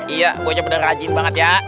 iya gue juga udah rajin banget ya